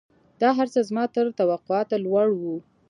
دا هرڅه زما تر توقعاتو لوړ وو.